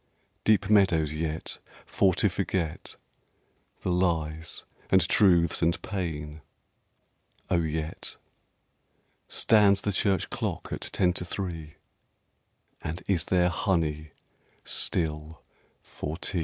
Deep meadows yet, for to forget The lies, and truths, and pain?... oh! yet Stands the Church clock at ten to three? And is there honey still for tea?